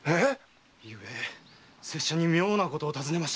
昨夜拙者に妙なことを尋ねました。